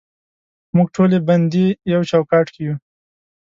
موږ ټولې بندې یو چوکاټ کې یو